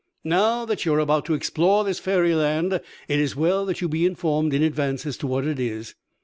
"Now that you are about to explore this fairy land it is well that you be informed in advance as to what it is.